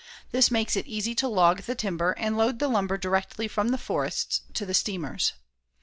This makes it easy to log the timber and load the lumber directly from the forests to the steamers.